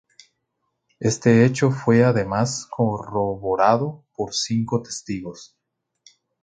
Este hecho fue además corroborado por cinco testigos.